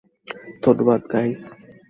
ধন্যবাদ, গাইজ।